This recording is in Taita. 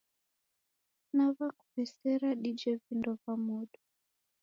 Naw'akuw'esera dije vindo va modo.